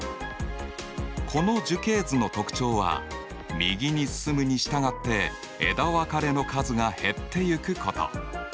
この樹形図の特徴は右に進むに従って枝分かれの数が減っていくこと。